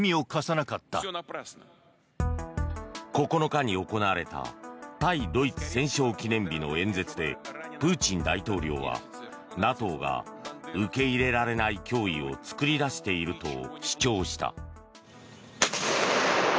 ９日に行われた対ドイツ戦勝記念日の演説でプーチン大統領はＮＡＴＯが受け入れられない脅威を作り出していると主張した。